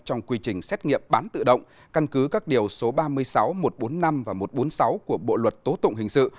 trong quy trình xét nghiệm bán tự động căn cứ các điều số ba mươi sáu một trăm bốn mươi năm và một trăm bốn mươi sáu của bộ luật tố tụng hình sự